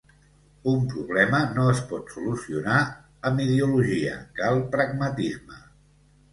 Un problema no es pot solucionar amb ideologia, cal pragmatisme.